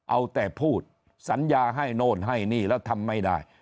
เอาแต่พูดสัญญาให้โน่นให้นี่แล้วทำไม่ได้